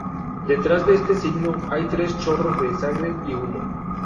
Detrás de este signo hay tres chorros de sangre y humo.